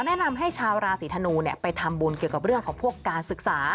แนะนำให้ชาวราศีธนูไปทำบุญเกี่ยวกับเรื่องของพวกการศึกษา